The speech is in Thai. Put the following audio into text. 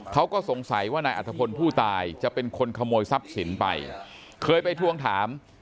เขาก็สงสัยว่านายอัฐพลผู้ตายจะเป็นคนขโมยทรัพย์สินไปเคยไปทวงถาม